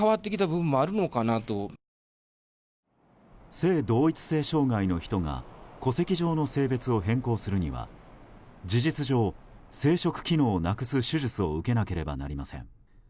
性同一性障害の人が戸籍上の性別を変更するには事実上、生殖機能をなくす手術を受けなければなりません。